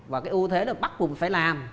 và cái ưu thế đó bắt cùng phải làm